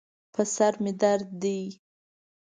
په سر مې درد دی